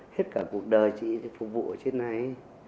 hết cả cuộc đời chị phục vụ ở trên này